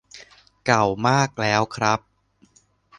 เก่ามากแล้วครับ